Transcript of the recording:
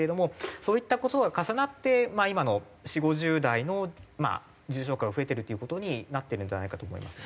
そういった事が重なって今の４０５０代の重症化が増えているっていう事になっているのではないかと思いますね。